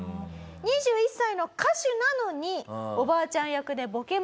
２１歳の歌手なのにおばあちゃん役でボケまくり